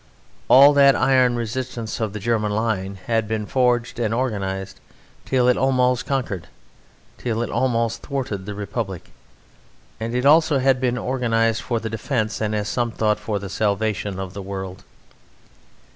All that iron resistance of the German line had been forged and organized till it almost conquered, till it almost thwarted, the Republic, and it also had been organized for the defence, and, as some thought, for the salvation, of the world.